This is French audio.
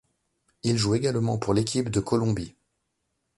Il joue également pour l'équipe de Colombie.